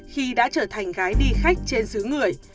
khi đã trở thành gái đi khách trên xứ người